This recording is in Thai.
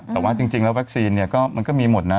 แต่ว่าจริงแล้วแว็กซีนมันก็มีหมดนะ